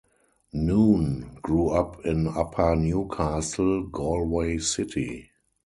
Noone grew up in Upper Newcastle, Galway City.